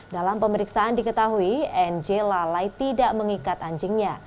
dalam pemeriksaan diketahui nj lalai tidak mengikat anjingnya